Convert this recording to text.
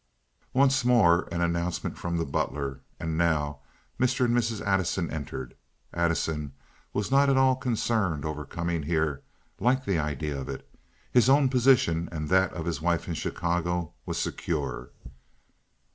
Once more an announcement from the butler, and now Mr. and Mrs. Addison entered. Addison was not at all concerned over coming here—liked the idea of it; his own position and that of his wife in Chicago was secure.